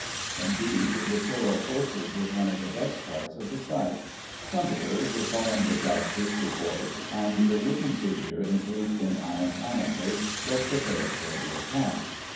Indeed, the show of horses was one of the best parts of the sight. Trumpeters were calling the jousters to horse, and the wooden figure, encased in iron panoply, was prepared for the attack.